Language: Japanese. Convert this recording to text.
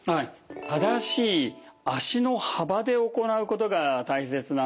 正しい足の幅で行うことが大切なんです。